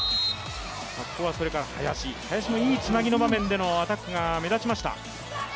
それから林、いいつなぎの場面でのアタックが目立ちました。